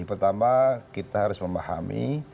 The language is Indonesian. pertama kita harus memahami